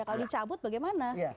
kalau dicabut bagaimana